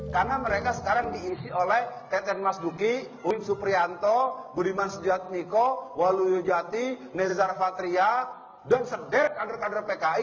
karena mereka sekarang diisi oleh teten mas duki uim suprianto budiman sejat miko walu yujati nezar fatriat dan sederhana kader kader pki